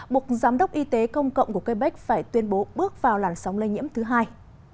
buộc giám đốc y tế công cộng của quebec phải tuyên bố bước vào làn sóng lây nhiễm thứ hai